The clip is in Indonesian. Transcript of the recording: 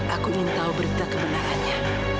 aku ingin tahu berita kebenarannya